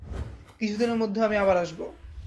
কিছুদিনের মধ্যে আমি আবার আসব।